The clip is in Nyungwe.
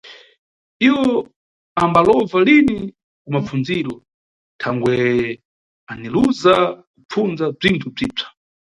Iwo ambalova lini ku mapfundziro thangwe aniluza kupfundza bzinthu bzipsa.